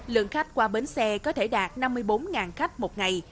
lượng khách qua bến xe có thể đạt năm mươi bốn khách một ngày